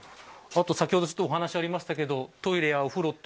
先ほどお話ありましたがトイレやお風呂は。